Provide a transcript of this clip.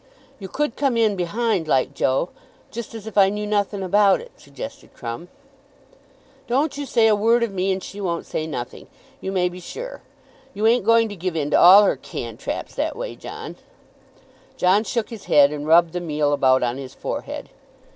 "You could come in behind like, Joe, just as if I knew nothin' about it," suggested Crumb. "Don't you say a word of me, and she won't say nothing, you may be sure. You ain't going to give in to all her cantraps that way, John?" John shook his head and rubbed the meal about on his forehead.